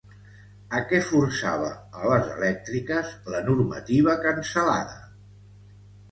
A què forçava a les elèctriques, la normativa cancel·lada?